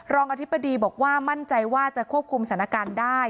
อธิบดีบอกว่ามั่นใจว่าจะควบคุมสถานการณ์ได้